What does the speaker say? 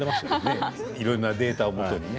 いろんなデータを基にね。